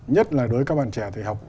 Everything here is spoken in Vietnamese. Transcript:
nhất là đối với các bạn trẻ thì học